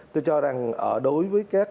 tôi cho rằng đối với các